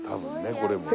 これもね。